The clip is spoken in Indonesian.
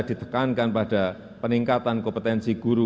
ditekankan pada peningkatan kompetensi guru